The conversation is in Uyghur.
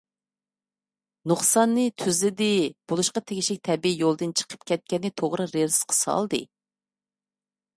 نۇقساننى تۈزلىدى، بولۇشقا تېگىشلىك تەبىئىي يولىدىن چىقىپ كەتكەننى توغرا رېلىسقا سالدى.